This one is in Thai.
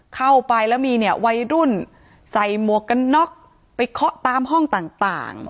เข้าไปแล้วมีเนี่ยวัยรุ่นใส่หมวกกันน็อกไปเคาะตามห้องต่าง